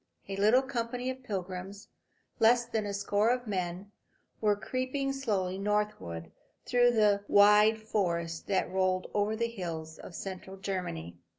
A little company of pilgrims, less than a score a men, were creeping slowly northward through the wide forest that rolled over the hills of central Germany.